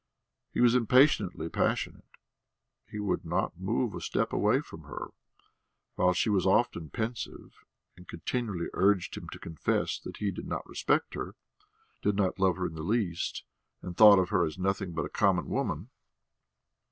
He was impatiently passionate, he would not move a step away from her, while she was often pensive and continually urged him to confess that he did not respect her, did not love her in the least, and thought of her as nothing but a common woman.